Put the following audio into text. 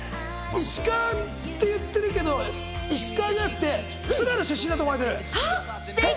石川って言ってるけど、石川じゃなくて、津軽出身だと思われてる。